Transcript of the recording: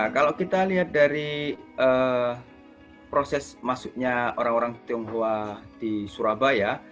kalau kita lihat dari proses masuknya orang orang tionghoa di surabaya